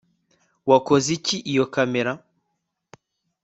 Wakoze iki iyo kamera